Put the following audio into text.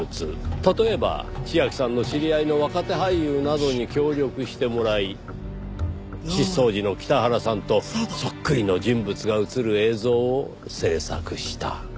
例えば千明さんの知り合いの若手俳優などに協力してもらい失踪時の北原さんとそっくりの人物が映る映像を制作した。